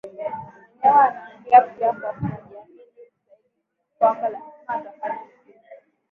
na mwenyewe anaongea pia kwa kujiamini zaidi kwamba lazima atafanya vizuri